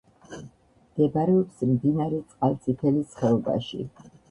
მდებარეობს მდინარე წყალწითელის ხეობაში.